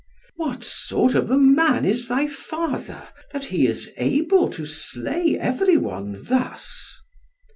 "What sort of a man is thy father, that he is able to slay every one thus?"